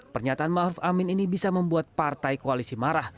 pernyataan ma'ruf amin ini bisa membuat partai koalisi marah